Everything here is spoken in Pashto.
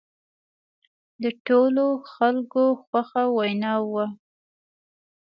د ټولو خلکو خوښه وینا وه.